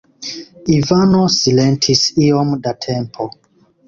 Ivano silentis iom da tempo.